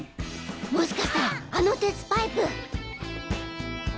もしかしたらあの鉄パイプ！